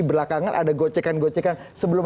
belakangan ada gocekan gocekan sebelum